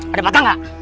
ada patah gak